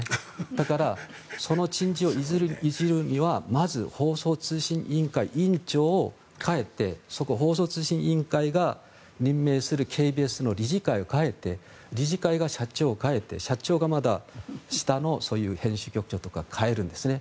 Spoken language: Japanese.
だから、その人事をいじるにはまず、放送通信委員会委員長を代えて放送通信委員会が任命するＫＢＳの理事会を変えて理事会が社長を代えて社長がまた下の編集局長とか代えるんですね。